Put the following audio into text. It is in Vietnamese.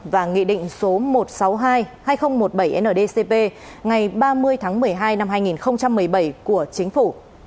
và nghị định số một trăm sáu mươi hai hai nghìn một mươi bảy ndcp ngày ba mươi tháng một mươi hai năm hai nghìn một mươi bảy của chính phủ